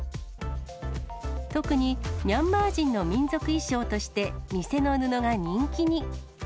特にミャンマー人の民族衣装として、店の布が人気に。